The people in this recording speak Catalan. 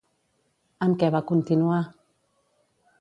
Amb què va continuar?